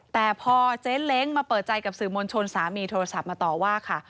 แต่พอเจ๊เล้งมาเปิดใจกับสื่อมวลชนสามีโทรศัพท์มาต่อว่าค่ะ